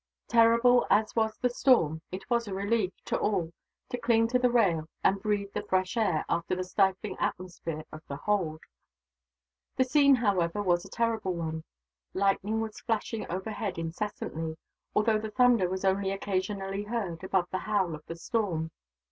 Terrible as was the storm, it was a relief, to all, to cling to the rail and breathe the fresh air, after the stifling atmosphere of the hold. The scene, however, was a terrible one. Lightning was flashing overhead incessantly, although the thunder was only occasionally heard, above the howl of the storm.